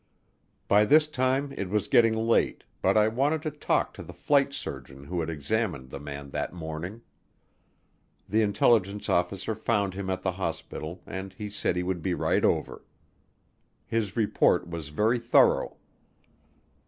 By this time it was getting late, but I wanted to talk to the flight surgeon who had examined the man that morning. The intelligence officer found him at the hospital and he said he would be right over. His report was very thorough.